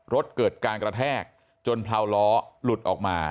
เกิดการกระแทกจนพลาวล้อหลุดออกมา